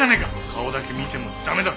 顔だけ見ても駄目だ。